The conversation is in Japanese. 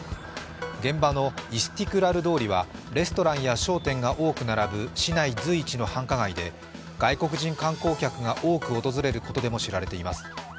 現場のイスティクラル通りはレストランや商店が多く立ち並ぶ市内随一の繁華街で外国人観光客が多く訪れることでも知られています。